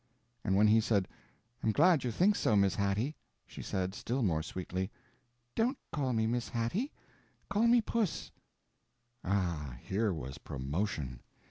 And when he said, "I'm glad you think so, Miss Hattie," she said, still more sweetly, "Don't call me Miss Hattie—call me Puss." Ah, here was promotion!